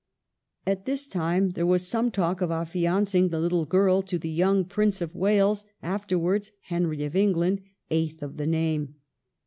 At this time there was some talk of affiancing the little girl to the young Prince of Wales, afterwards Henry of England, eighth of the name.